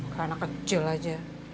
karena kecil aja